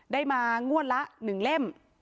ได้มางวดละหนึ่งเล่ม